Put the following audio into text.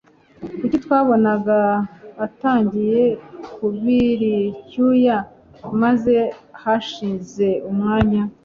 kuko twabonaga atangiye kubiricyuya maze hashize umwanya